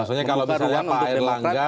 maksudnya kalau misalnya pak erlangga